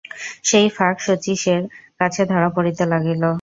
সেই ফাঁক শচীশের কাছে ধরা পড়িতে লাগিল।